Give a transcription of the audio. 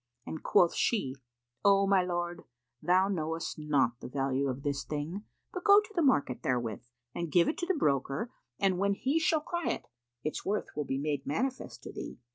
and quoth she, "O my lord, thou knowest not the value of this thing; but go to the market therewith and give it to the broker, and when he shall cry it, its worth will be made manifest to thee."